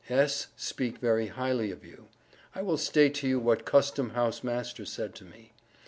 S. speek very highly of you. I will state to you what Custom house master said to me.